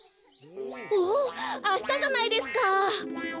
おおあしたじゃないですか！